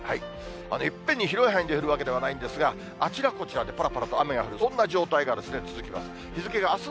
いっぺんに広い範囲で降るわけではないんですが、あちらこちらでぱらぱらと雨が降る、そんな状態が続きます。